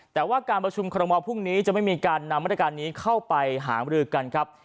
แต่ว่าการประชุมคอรมอลพรุ่งนี้จะไม่มีการนำมาตรการนี้เข้าไปหามรือกันครับ